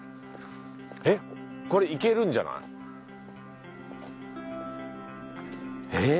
えっこれ行けるんじゃない？え。